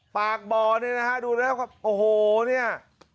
ปากบ่อเนี่ยนะฮะดูแล้วครับโอ้โหเนี่ย